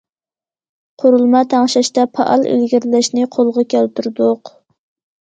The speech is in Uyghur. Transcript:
قۇرۇلما تەڭشەشتە پائال ئىلگىرىلەشنى قولغا كەلتۈردۇق.